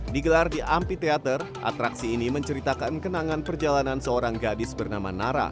digelar di ampi teater atraksi ini menceritakan kenangan perjalanan seorang gadis bernama nara